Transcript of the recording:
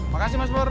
makasih mas pur